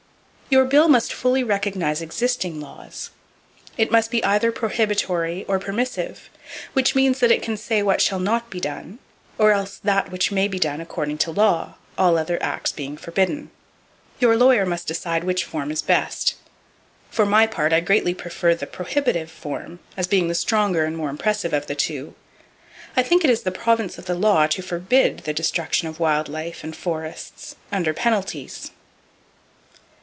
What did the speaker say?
Your bill must fully recognize existing laws. It must be either prohibitory or permissive; which means that it can say what shall not be done, or else that which may be done according to law, all other acts being forbidden. Your lawyer must decide which form is best. For my part, I greatly prefer the prohibitive form, as being the stronger and more impressive of the two. I think it is the province of the law to forbid the destruction of wild life and forests, under penalties.